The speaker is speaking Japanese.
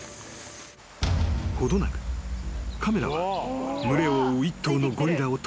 ［程なくカメラは群れを追う一頭のゴリラを捉えた］